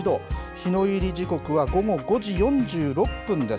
日の入り時刻は午後５時４６分です。